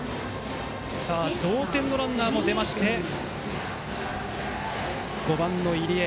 同点のランナーも出まして５番の入江。